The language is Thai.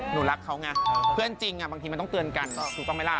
หนูรักเขาไงเพื่อนจริงบางทีมันต้องเตือนกันถูกต้องไหมล่ะ